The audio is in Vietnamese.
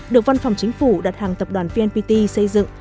được văn phòng chính phủ đặt hàng tập đoàn vnpt xây dựng